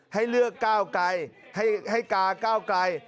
ให้เลือกก้าทำใกล้ให้กากายทำใกล้